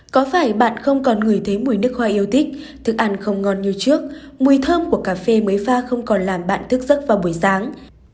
có phải bạn không còn ngửi thấy mùi nước hoa yêu thích thức ăn không ngon như trước mùi thơm của cà phê mới pha không còn làm bạn thức giấc vào buổi sáng